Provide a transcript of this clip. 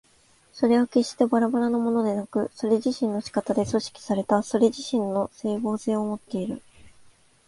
それは決してばらばらなものでなく、それ自身の仕方で組織されたそれ自身の斉合性をもっている。